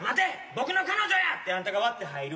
僕の彼女や」ってあんたが割って入る。